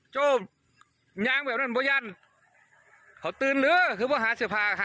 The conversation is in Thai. โจมยางแบบนั้นบ่ยันเขาตื่นเลยคือว่าหาเสื้อผาหา